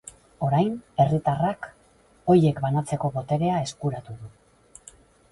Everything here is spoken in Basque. Orain, herritarrak horiek banatzeko boterea eskuratu du.